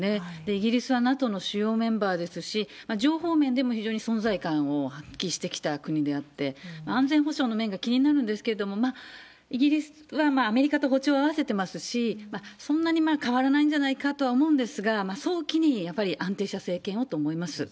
イギリスはＮＡＴＯの主要メンバーですし、情報面でも非常に存在感を発揮してきた国であって、安全保障の面が気になるんですけれども、イギリスはアメリカと歩調を合わせてますし、そんなに変わらないんじゃないかとは思うんですが、早期にやっぱり安定した政権をと思います。